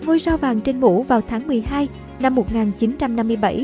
ngôi sao vàng trên mũ vào tháng một mươi hai năm